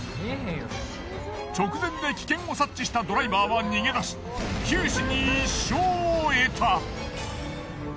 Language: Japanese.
直前で危険を察知したドライバーは逃げ出し九死に一生を得た。